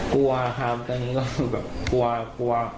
กลัวครับตอนนี้ก็แบบกลัว